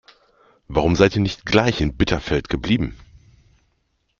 Warum seid ihr nicht gleich in Bitterfeld geblieben?